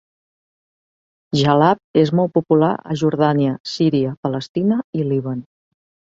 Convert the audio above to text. Jallab és molt popular a Jordània, Síria, Palestina i Líban.